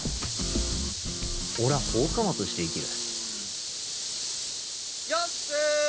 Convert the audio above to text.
俺ぁ放火魔として生きる。